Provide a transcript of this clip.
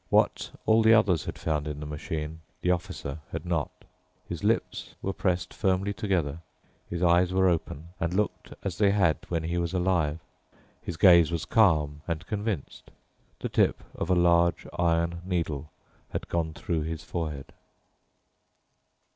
What all the others had found in the machine, the Officer had not. His lips were pressed firmly together, his eyes were open and looked as they had when he was alive, his gaze was calm and convinced. The tip of a large iron needle had gone through his forehead.